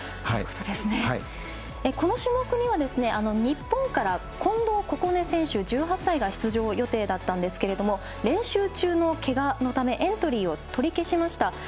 この種目には日本から近藤心音選手１８歳が出場予定だったんですけれども練習中のけがのためエントリーを取り消しました。